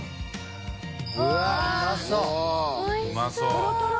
とろとろ！